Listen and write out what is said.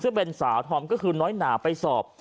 ซึ่งเป็นสาวธอมก็คือน้อยหนาไปสอบ